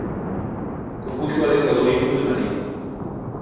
Compuxo a letra do Himno de Malí.